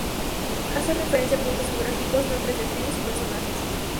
Hace referencia a puntos geográficos, nombres de tribus y personajes.